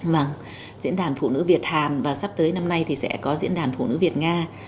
vâng diễn đàn phụ nữ việt hàn và sắp tới năm nay thì sẽ có diễn đàn phụ nữ việt nga